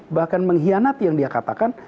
bahkan mengkhianati yang dia katakan